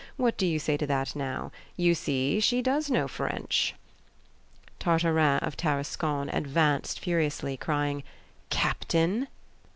What do you say to that now? You see she does know French." Tartarin of Tarascon advanced furiously, crying: "Captain!"